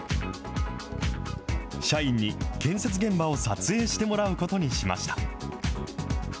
社員に建設現場を撮影してもらうことにしました。